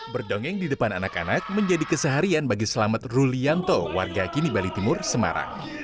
berdongeng di depan anak anak menjadi keseharian bagi selamet rulianto warga kini bali timur semarang